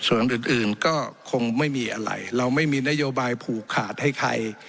ส่วนอื่นอื่นก็คงไม่มีอะไรเราไม่มีนโยบายผูกขาดให้ใคร